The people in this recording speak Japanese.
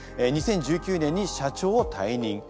２０１９年に社長を退任。